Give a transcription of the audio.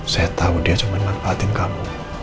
saya tahu dia cuma manfaatin kamu